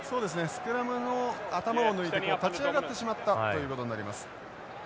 スクラムの頭を抜いてこう立ち上がってしまったということになります。